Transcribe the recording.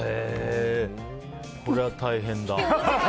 これは大変だ。